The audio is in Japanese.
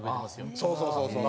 そうそうそうそう。